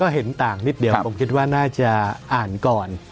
เห็นต่างนิดเดียวผมคิดว่าน่าจะอ่านก่อน